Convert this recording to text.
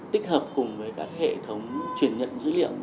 tích hợp cùng với các hệ thống truyền nhận dữ liệu